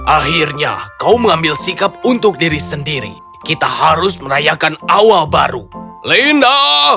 akhirnya kau mengambil sikap untuk diri sendiri kita harus merayakan awal baru lena